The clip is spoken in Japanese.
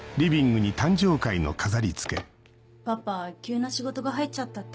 パパ急な仕事が入っちゃったって。